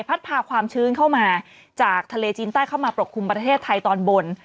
พาความชื้นเข้ามาจากทะเลจีนใต้เข้ามาปกคลุมประเทศไทยตอนบน